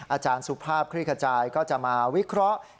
อาจารย์สุภาพคลี่ขจายก็จะมาวิเคราะห์